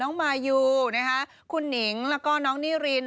น้องมายูนะครับนะคะคุณหนิงแล้วก็น้องนี่ริน